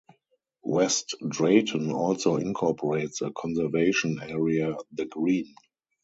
West Drayton also incorporates a conservation area, The Green.